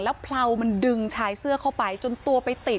แล้วเผลามันดึงชายเสื้อเข้าไปจนตัวไปติด